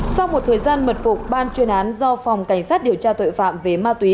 sau một thời gian mật phục ban chuyên án do phòng cảnh sát điều tra tội phạm về ma túy